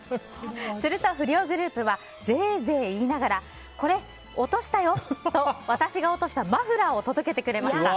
すると不良グループはぜえぜえ言いながらこれ、落としたよと私が落としたマフラーを届けてくれました。